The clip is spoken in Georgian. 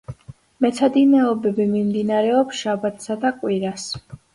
მეცადინეობები მიმდინარეობს შაბათსა და კვირას.